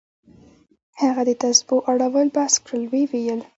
هغه د تسبو اړول بس كړل ويې ويل.